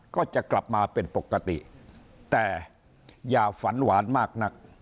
ก็จะกลับมาเป็นปกติแต่อย่าฝันหวานมากนัก